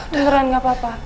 beneran gak apa apa